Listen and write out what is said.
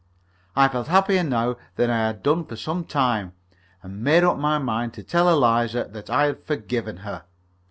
I felt happier now than I had done for some time, and made up my mind to tell Eliza that I had forgiven her.